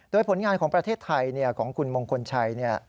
โดยผลงานของประเทศไทยของคุณมงคลชัย